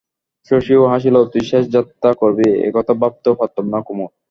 শশীও হাসিল, তুই শেষে যাত্রা করবি, একথা ভাবতেও পারতাম না কুমুদ।